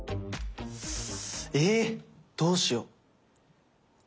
⁉えどうしよう。